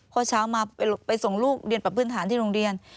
พอเช้ามาไปส่งลูกเรียนปรับพื้นฐานที่โรงเรียน